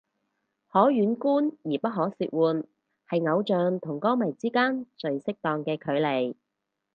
可遠觀而不可褻玩係偶像同歌迷之間最適當嘅距離